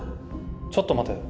ちょっと待て。